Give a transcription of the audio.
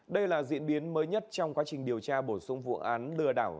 đây là diễn biến mới nhất trong quá trình điều tra bổ sung vụ án lừa đảo